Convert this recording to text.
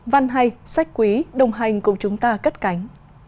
văn hay sách quý đồng hành cùng chúng ta cất cánh